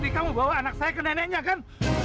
ini kamu bawa anak saya ke neneknya kan